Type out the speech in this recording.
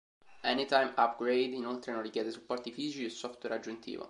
Anytime Upgrade inoltre non richiede supporti fisici o software aggiuntivo.